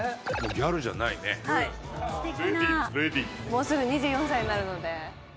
もうすぐ２４歳になるので。